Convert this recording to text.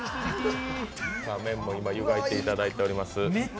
さあ、麺も今、ゆがいていただいています。